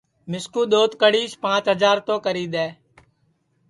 مِسکُو دؔوت کڑیس پانٚچ ہجار تو کری دؔے